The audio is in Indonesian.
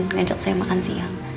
ngajak saya makan siang